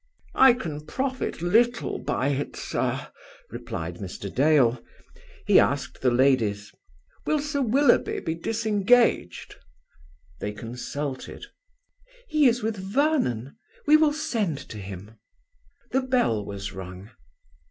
"I can profit little by it, sir," replied Mr. Dale. He asked the ladies: "Will Sir Willoughby be disengaged?" They consulted. "He is with Vernon. We will send to him." The bell was rung.